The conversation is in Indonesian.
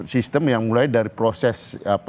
sistem yang mulai dari proses